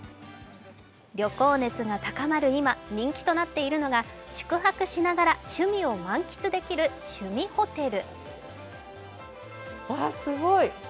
旅行熱が高まる今、人気となっているのが宿泊しながら趣味を満喫できる趣味ホテル。